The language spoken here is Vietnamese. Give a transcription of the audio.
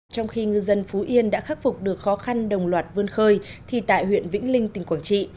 trong khi ngư dân phú yên đã khắc phục được khó khăn đồng loạt vươn khơi thì tại huyện vĩnh linh tỉnh quảng trị